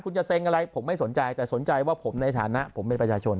คุณจะเซ็งอะไรผมไม่สนใจแต่สนใจว่าผมในฐานะผมเป็นประชาชน